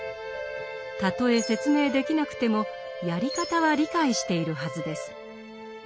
たとえ説明できなくてもやり方は理解しているはずです。